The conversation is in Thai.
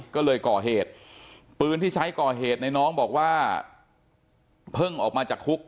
ก็เลยก่อเหตุปืนที่ใช้ก่อเหตุในน้องบอกว่าเพิ่งออกมาจากคุก